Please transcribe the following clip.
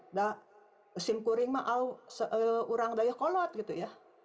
nah sim kuring maau seorang daya kolot gitu ya